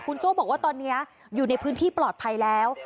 คุณโจ้บอกว่าตอนนี้อยู่ในพื้นที่ปลอดภัยแล้ว